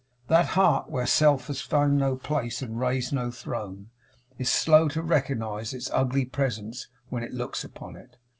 That heart where self has found no place and raised no throne, is slow to recognize its ugly presence when it looks upon it.